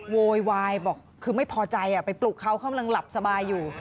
โวยวายบอกคือไม่พอใจไปปลุกเขาเขากำลังหลับสบายอยู่